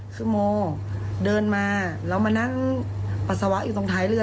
คือโมเดินมาแล้วมานั่งปัสสาวะอยู่ตรงท้ายเรือ